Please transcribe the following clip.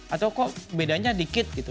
atau kok bedanya dikit